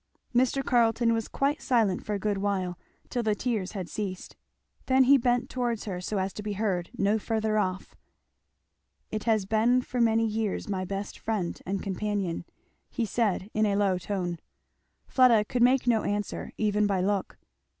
Mr. Carleton was quite silent for a good while till the tears had ceased; then he bent towards her so as to be heard no further off. "It has been for many years my best friend and companion," he said in a low tone. Fleda could make no answer, even by look.